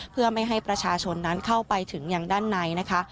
เพื่อไม่ให้ประชาชนนั้นเข้าไปถึงอย่างด้านในนะคะ